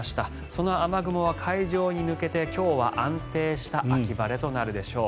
その雨雲は海上に抜けて今日は安定した秋晴れとなるでしょう。